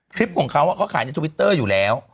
คลิปของเขาเขาขายในทวิตเตอร์อยู่แล้ว